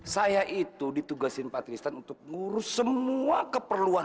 saya itu ditugasin pak kristen untuk ngurus semua keperluan